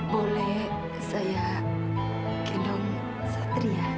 boleh saya kendong satria